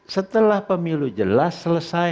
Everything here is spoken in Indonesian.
setelah pemilu jelas selesai